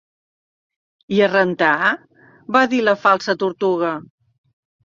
"I a rentar?" va dir la Falsa Tortuga.